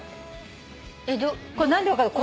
これ何で分かるか。